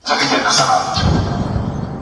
طبیعي علوم کومې موضوعګانې څېړي؟